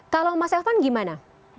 kalau mas elvan gimana